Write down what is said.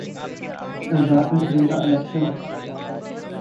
آزاد کشمیر کا الیکشن